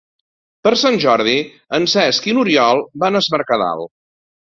Per Sant Jordi en Cesc i n'Oriol van a Es Mercadal.